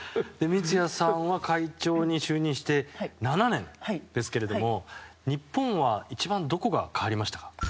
三屋さんは会長に就任して７年ですけれども日本は一番どこが変わりましたか？